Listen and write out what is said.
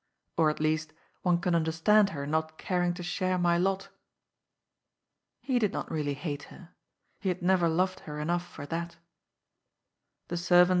Or, at least, one can understand her not caring to share my lot." He did not really hate her. He had never loved her enough for that.